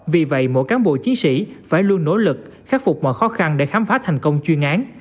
vì vậy mỗi cán bộ chiến sĩ phải luôn nỗ lực khắc phục mọi khó khăn để khám phá thành công chuyên án